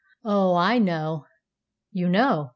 "O, I know!" "You know!